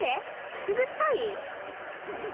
くすぐったい？